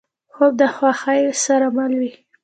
خوب د خوښۍ سره مل وي